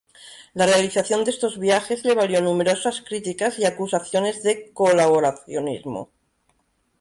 La realización de estos viajes le valió numerosas críticas y acusaciones de "colaboracionismo".